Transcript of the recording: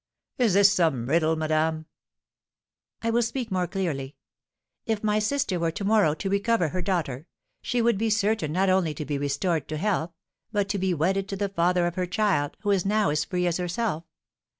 "Is this some riddle, madame?" "I will speak more clearly. If my sister were to morrow to recover her daughter, she would be certain not only to be restored to health, but to be wedded to the father of her child, who is now as free as herself.